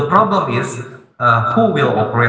siapa yang akan mengoperasikan